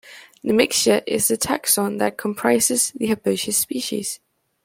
"Nemexia" is the taxon that comprises the herbaceous species.